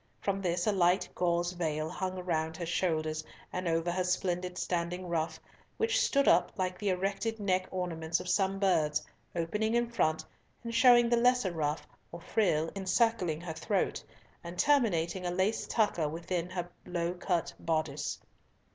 From this a light gauze veil hung round her shoulders and over her splendid standing ruff, which stood up like the erected neck ornaments of some birds, opening in front, and showing the lesser ruff or frill encircling her throat, and terminating a lace tucker within her low cut boddice.